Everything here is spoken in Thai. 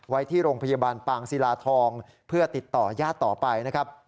ไว้ที่โรงพยาบาลปางศิลาทองเพื่อติดต่อญาติต่อไปนะครับ